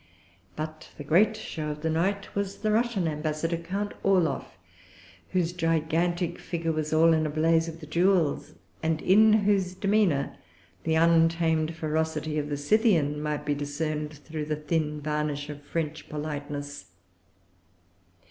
But the great show of the night was the Russian Ambassador, Count Orloff, whose gigantic figure was all in a blaze with jewels, and in whose demeanor the untamed ferocity of the Scythian might be discerned through a thin varnish of French politeness.